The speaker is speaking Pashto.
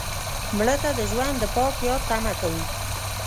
مړه ته د ژوند د پاک یاد تمه کوو